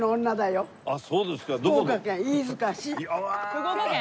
福岡県？